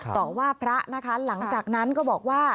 ต่อว่าพระนะคะหลังจากนั้นก็บอกว่า